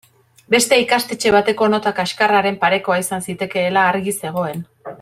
Beste ikastetxe bateko nota kaxkarraren parekoa izan zitekeela argi zegoen.